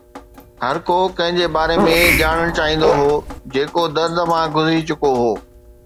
هر ڪو ڪنهن جي باري ۾ ڄاڻڻ چاهيندو هو جيڪو درد مان گذري چڪو هو